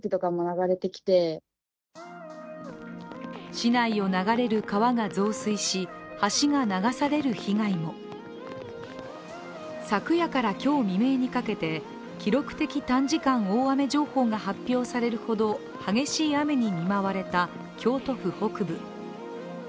市内を流れる川が増水し橋が流される被害も昨夜から今日未明にかけて記録的短時間大雨情報が発表されるほど激しい雨に見舞われた京都府北部。